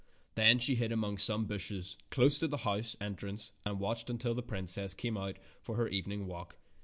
Then she hid among some bushes close to the house entrance and watched until the princess came out for her evening walk.